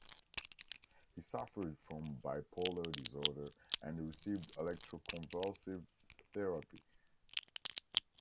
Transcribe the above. He suffered from bipolar disorder, and received electro-convulsive therapy.